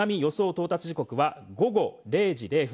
到達時刻は午後０時０分。